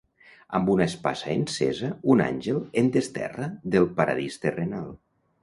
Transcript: Amb una espasa encesa un àngel em desterra del paradís terrenal.